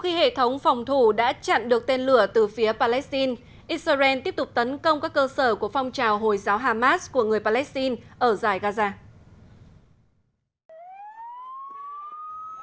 khi hệ thống phòng thủ đã chặn được tên lửa từ phía palestine israel tiếp tục tấn công các cơ sở của phong trào hồi giáo hamas của người palestine ở giải gaza